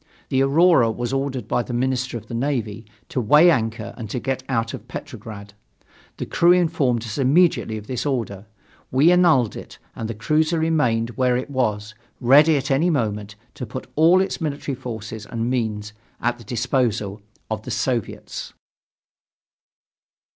The Aurora was ordered by the Minister of the Navy to weigh anchor and to get out of Petrograd. The crew informed us immediately of this order. We annulled it and the cruiser remained where it was, ready at any moment to put all its military forces and means at the disposal of the Soviets.